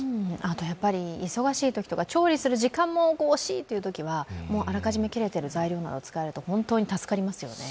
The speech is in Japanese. あと忙しいときとか調理する時間も惜しいというときはあらかじめ切れている材料があると本当に助かりますよね。